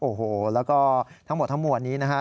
โอ้โหแล้วก็ทั้งหมดทั้งมวลนี้นะฮะ